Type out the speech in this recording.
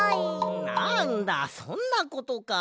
なんだそんなことか。